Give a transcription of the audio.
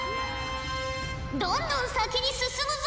どんどん先に進むぞ！